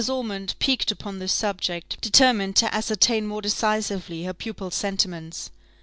Ormond, piqued upon this subject, determined to ascertain more decisively her pupil's sentiments.